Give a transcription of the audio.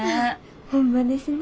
ホンマですね。